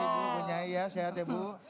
ibu punya i ya sehat ya ibu